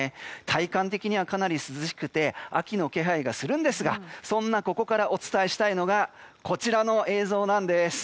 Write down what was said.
体感的には、かなり涼しくて秋の気配がするんですがそんなここからお伝えしたいのがこちらの映像なんです。